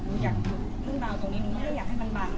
หนูอยากจุดเรื่องราวตรงนี้หนูก็ไม่อยากให้มันบานไป